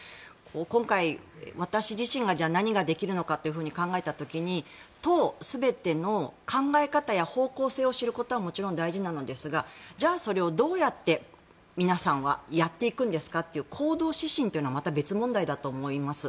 今回、私自身が何ができるのかというふうに考えた時に党全ての考え方や方向性を知ることはもちろん大事なのですがじゃあ、それをどうやって皆さんはやっていくんですかという行動指針というのはまた別問題だと思います。